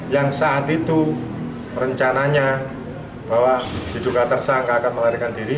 yang saat itu rencananya bahwa diduga tersangka akan melarikan diri